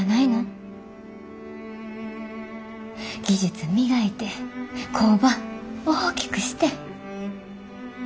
技術磨いて工場大きくして。